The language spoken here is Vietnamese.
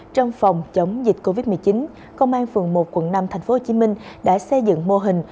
trong phòng chống dịch covid một mươi chín công an phường một quận năm tp hcm đã xây dựng mô hình